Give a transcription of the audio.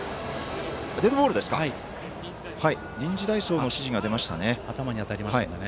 臨時代走の指示が出ましたね。